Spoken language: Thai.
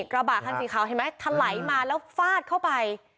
กระบะคันสีขาวเห็นไหมทะไหลมาแล้วฟาดเข้าไป